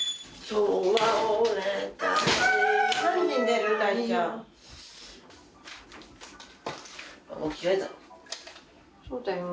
そうだよ。